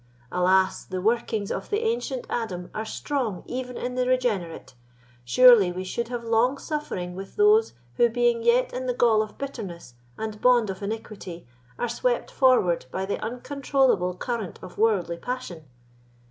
Alas! the workings of the ancient Adam are strong even in the regenerate; surely we should have long suffering with those who, being yet in the gall of bitterness and bond of iniquity, are swept forward by the uncontrollable current of worldly passion.